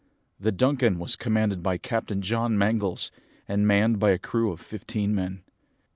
The Duncan was commanded by Captain John Mangles, and manned by a crew of fifteen men.